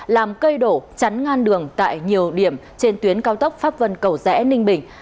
làm cây đổ chắn ngang đường tại nhiều điểm trên tuyến cao tốc pháp vân cầu rẽ ninh bình